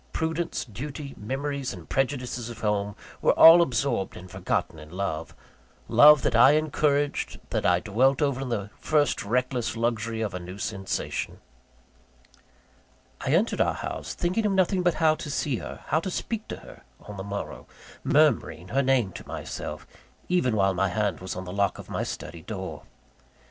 Prudence, duty, memories and prejudices of home, were all absorbed and forgotten in love love that I encouraged, that I dwelt over in the first reckless luxury of a new sensation. I entered our house, thinking of nothing but how to see her, how to speak to her, on the morrow; murmuring her name to myself; even while my hand was on the lock of my study door.